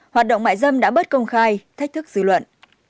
hoạt động mại dâm đã bớt công khai thách thức dư luận